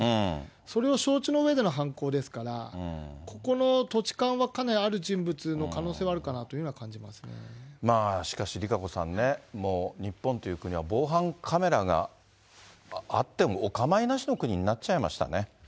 それを承知のうえでの犯行ですから、ここの土地勘はかなりある人物の可能性はあるかなというふうにはしかし、ＲＩＫＡＣＯさんね、日本という国は、防犯カメラがあっても、お構いなしの国になっちゃいましたね。